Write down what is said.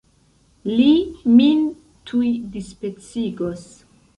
Li min tuj dispecigos!